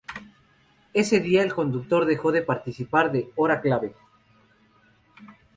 Desde ese día, el coconductor dejó de participar de "Hora clave".